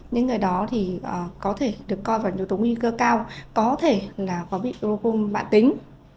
những người đó có thể được coi vào yếu tố nguy cơ cao có thể có bị gluocom bản tính